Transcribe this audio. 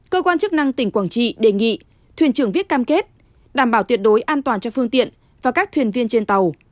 cơ quan chức năng tỉnh quảng trị đề nghị thuyền trưởng viết cam kết đảm bảo tuyệt đối an toàn cho phương tiện và các thuyền viên trên tàu